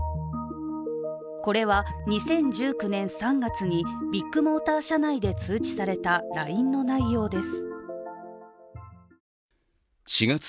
これは２０１９年３月にビッグモーター社内で通知されたＬＩＮＥの内容です。